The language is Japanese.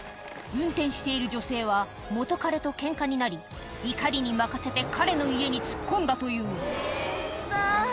運転している女性は元カレとケンカになり怒りに任せて彼の家に突っ込んだというあぁ